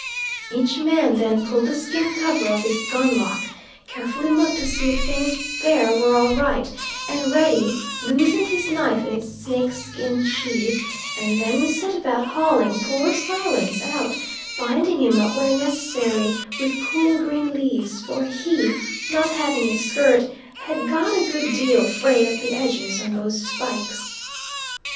Each man then pulled the skin cover off his gun lock, carefully looked to see if things there were all right and ready loosened his knife in its snake skin sheath; and then we set about hauling poor Silence out, binding him up where necessary with cool green leaves; for he, not having a skirt, had got a good deal frayed at the edges on those spikes.